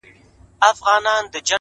• خو کوتري تا چي هر څه زېږولي ,